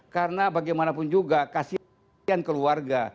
karena bagaimanapun juga kasihan keluarga